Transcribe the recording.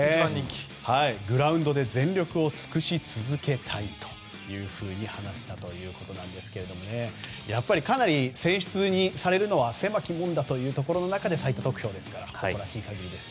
グラウンドで全力を尽くし続けたいというふうに話したということですがやっぱりかなり選出されるのは狭き門だというところの中で最多得票ですから素晴らしい限りです。